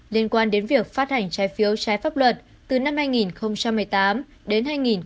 liên quan đến việc phát hành trái phiếu trái pháp luật từ năm hai nghìn một mươi tám đến hai nghìn một mươi tám